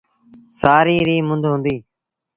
سآريٚݩ ريٚ مند هُݩديٚ۔